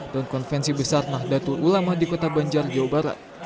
dan konvensi besar nandatul ulama di kota banjar jawa barat